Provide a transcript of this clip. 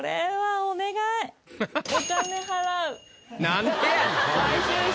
何でやねん。